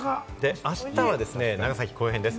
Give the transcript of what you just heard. あしたは長崎後編です。